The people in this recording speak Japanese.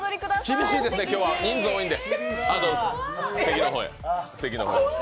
厳しいですね、今日は人数多いんで。